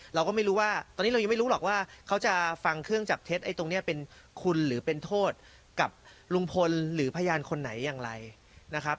เราก็ไม่รู้ว่าตอนนี้เรายังไม่รู้หรอกว่าเขาจะฟังเครื่องจับเท็จไอ้ตรงนี้เป็นคุณหรือเป็นโทษกับลุงพลหรือพยานคนไหนอย่างไรนะครับ